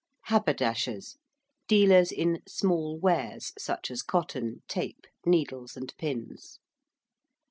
~haberdashers~: dealers in 'small wares' such as cotton, tape, needles, and pins.